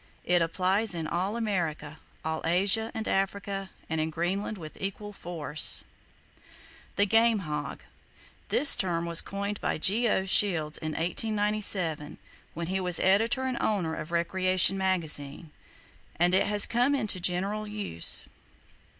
It applies in all America, all Asia and Africa, and in Greenland, with equal force. The Game Hog. —This term was coined by G.O. Shields, in 1897, when he was editor and owner of Recreation Magazine, and it has come into general use.